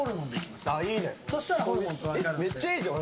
めっちゃいいじゃん！